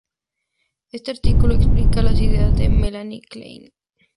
Este artículo explica las ideas de Melanie Klein.